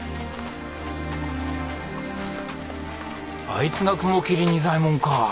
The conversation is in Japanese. あいつが雲霧仁左衛門か。